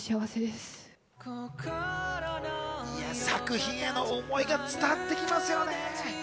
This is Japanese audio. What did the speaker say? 作品への思いが伝わってきますよね。